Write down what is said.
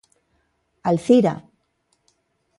¡Alzira!